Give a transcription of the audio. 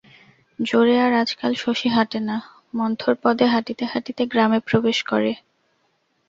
জোরে আর আজকাল শশী হাটে না, মন্থর পদে হাঁটিতে হাঁটিতে গ্রামে প্রবেশ করে।